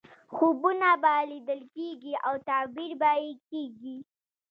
خوبونه به لیدل کېږي او تعبیر به یې کېږي.